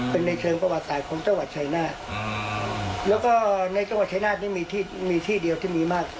เป็นในเชิงประวัติศาสตร์ของจังหวัดชายนาฏแล้วก็ในจังหวัดชายนาฏนี่มีที่มีที่เดียวที่มีมาก